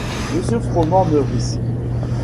Monsieur Froment-Meurice